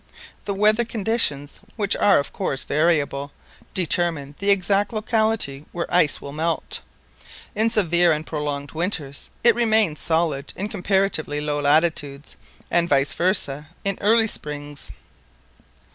The weather conditions, which are of course variable, determine the exact locality where ice will melt; in severe and prolonged winters it remains solid in comparatively low latitudes, and vice versa in early springs.